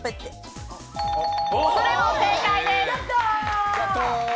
それも正解です。